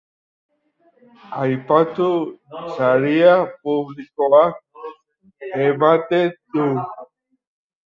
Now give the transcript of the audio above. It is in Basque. Aipatu saria publikoak ematen du.